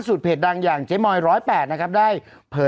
คุณแม่ของคุณแม่ของคุณแม่ของคุณแม่